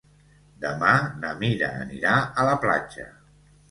Demà na Mira anirà a la platja.